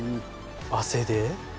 汗で？